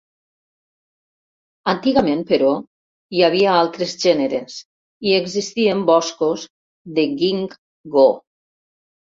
Antigament, però, hi havia altres gèneres, i existien boscos de ginkgo.